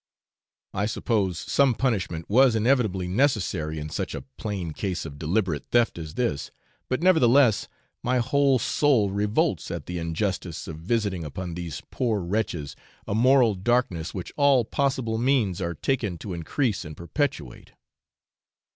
I suppose some punishment was inevitably necessary in such a plain case of deliberate theft as this, but, nevertheless, my whole soul revolts at the injustice of visiting upon these poor wretches a moral darkness which all possible means are taken to increase and perpetuate.